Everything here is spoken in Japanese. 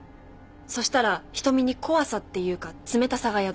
そしたら瞳に怖さっていうか冷たさが宿る。